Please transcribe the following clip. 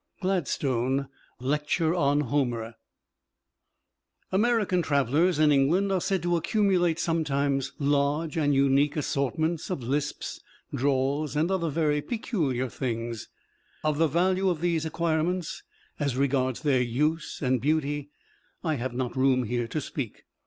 Gladstone, "Lecture on Homer" [Illustration: WILLIAM E. GLADSTONE] American travelers in England are said to accumulate sometimes large and unique assortments of lisps, drawls and other very peculiar things. Of the value of these acquirements as regards their use and beauty, I have not room here to speak.